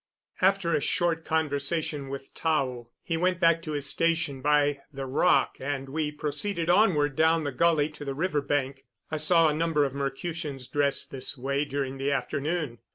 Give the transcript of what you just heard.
After a short conversation with Tao he went back to his station by the rock, and we proceeded onward down the gully to the river bank. I saw a number of Mercutians dressed this way during the afternoon.